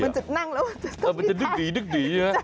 มันจะนั่งแล้วมันจะดึกดี